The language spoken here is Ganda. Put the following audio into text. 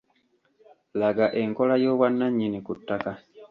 Laga enkola y’obwannannyini ku ttaka.